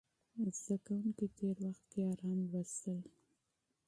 زده کوونکي تېر وخت کې ارام لوستل.